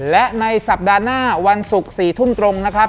และในสัปดาห์หน้าวันศุกร์๔ทุ่มตรงนะครับ